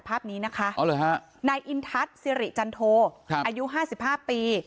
ภาพนี้นะคะอ๋อเลยฮะนายอินทัศน์สิริจันโทครับอายุห้าสิบห้าปี